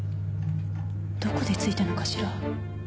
どこでついたのかしら？